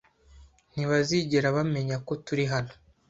Ntibazigera bamenya ko turi hano.